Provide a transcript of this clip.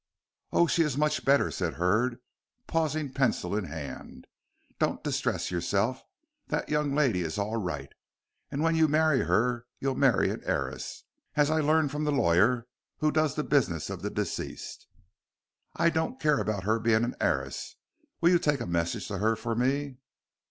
"Oh, she is much better," said Hurd, pausing pencil in hand, "don't distress yourself. That young lady is all right; and when you marry her you'll marry an heiress, as I learn from the lawyer who does the business of the deceased." "I don't care about her being the heiress. Will you take a message to her from me?"